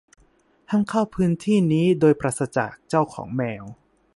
ห้ามเข้าพื้นที่นี้โดยปราศจากเจ้าของแมว